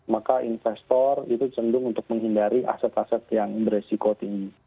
maka investor itu cenderung untuk menghindari aset aset yang beresiko tinggi